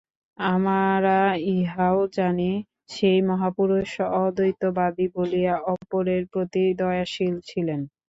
আমরা ইহাও জানি, সেই মহাপুরুষ অদ্বৈতবাদী বলিয়া অপরের প্রতি দয়াশীল ছিলেন।